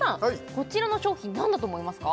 こちらの商品何だと思いますか？